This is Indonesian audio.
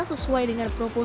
sesuai dengan proposisi